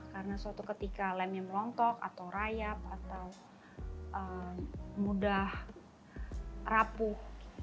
karena suatu ketika lemnya melontok atau rayap atau mudah rapuh